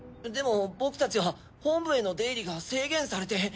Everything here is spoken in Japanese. でも僕たちは本部への出入りが制限されて。